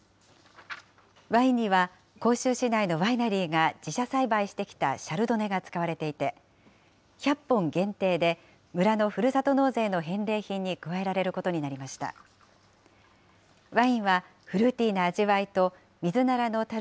ワインには甲州市内のワイナリーが自社栽培してきたシャルドネが使われていて、１００本限定で村のふるさと納税の返礼品に加えられることになりました。